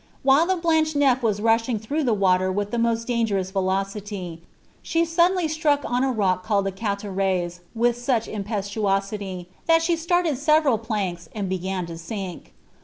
While the Blanche AV/ was rushing Joa^ the water with the most dangerous velocity, she suddenly struck ■ k rock called the Calle raze with such impetuosity, that she started nral planks, and began to sink.